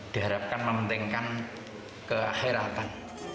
diharapkan mementingkan keakhiratan